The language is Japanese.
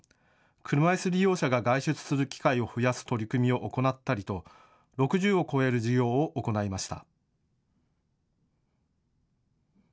車いす利用者が外出する機会を増やす取り組みを行ったりと６０を超える事業に関わりました。